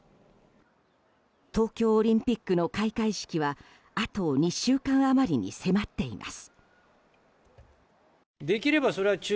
東京オリンピックの開会式はあと２週間余りに迫っています。